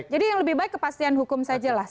jadi yang lebih baik kepastian hukum sajalah